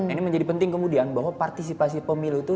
ini menjadi penting kemudian bahwa partisipasi pemilu itu